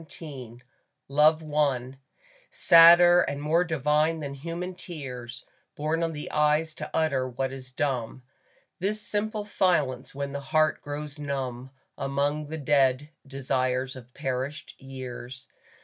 XXIX LOVE I SADDER and more divine than human tears Born on the eyes to utter what is dumb, This simple silence when the heart grows numb Among the dead desires of perished years.